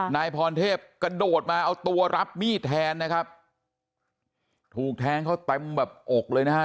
นายพรเทพกระโดดมาเอาตัวรับมีดแทนนะครับถูกแทงเขาเต็มแบบอกเลยนะฮะ